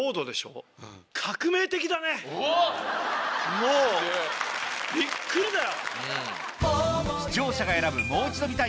もうびっくりだよ！